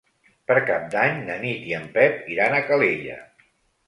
Per Cap d'Any na Nit i en Pep iran a Calella.